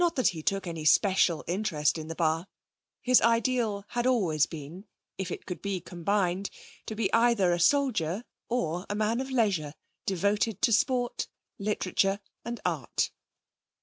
Not that he took any special interest in the Bar. His ideal had always been if it could be combined to be either a soldier or a man of leisure, devoted to sport, literature and art.